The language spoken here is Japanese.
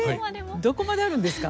どこまであるんですか。